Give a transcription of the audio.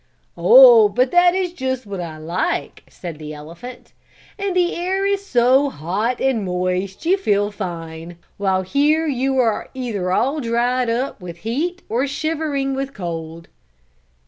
"Oh, but that is just what I like," said the elephant, "and the air is so hot and moist you feel fine, while here you are either all dried up with heat or shivering with cold."